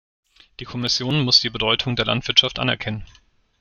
Die Kommission muss die Bedeutung der Landwirtschaft anerkennen.